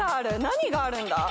何があるんだ？